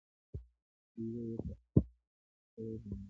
دوی به یې په الحاد تورنول.